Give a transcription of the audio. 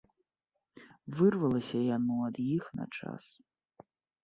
Вырвалася яно ад іх на час.